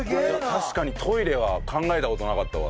確かにトイレは考えた事なかったわ。